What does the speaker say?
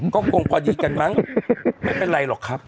ก็คงพอดีกันมั้งไม่เป็นไรหรอกครับ